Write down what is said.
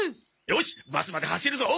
よしバスまで走るぞ！